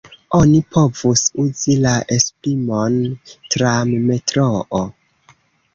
Oni povus uzi la esprimon tram-metroo.